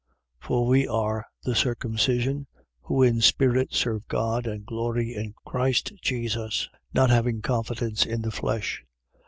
3:3. For we are the circumcision, who in spirit serve God and glory in Christ Jesus, not having confidence in the flesh.